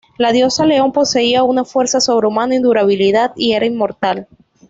La diosa león poseía una fuerza sobrehumana y durabilidad, y era inmortal.